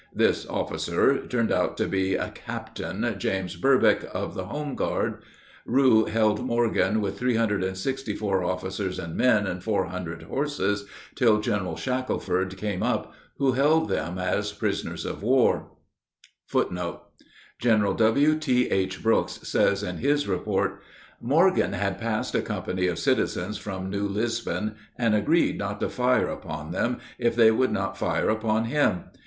This "officer" turned out to be "Captain" James Burbick, of the home guard. Rue held Morgan, with 364 officers and men and 400 horses, till General Shackelford came up, who held them as prisoners of war. [Footnote 10: General W.T.H. Brooks says in his report: Morgan had passed a company of citizens from New Lisbon, and agreed not to fire upon them if they would not fire upon him.